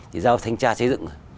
thì giao thanh tra xây dựng